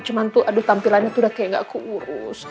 cuma tuh aduh tampilannya tuh udah kayak ga keurus